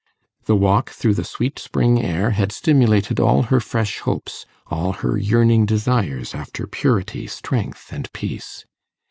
The walk through the sweet spring air had stimulated all her fresh hopes, all her yearning desires after purity, strength, and peace.